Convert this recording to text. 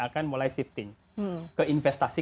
akan mulai shifting ke investasi